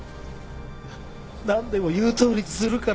何でも言うとおりにするから。